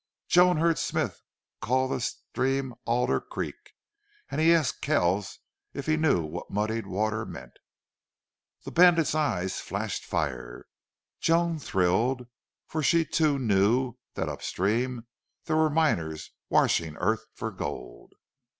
Joan heard Smith call the stream Alder Creek, and he asked Kells if he knew what muddied water meant. The bandit's eyes flashed fire. Joan thrilled, for she, too, knew that up stream there were miners washing earth for gold.